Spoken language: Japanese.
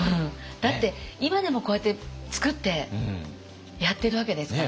だって今でもこうやって作ってやってるわけですから。